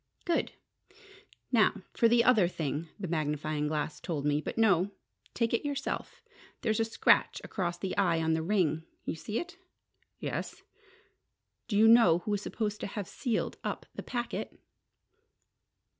"Good! Now for the other thing the magnifying glass told me. But no take it yourself. There's a scratch across the eye on the ring. You see it?" "Yes." "Do you know who was supposed to have sealed up the packet?"